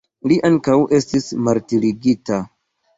Li ankaŭ estis martirigita.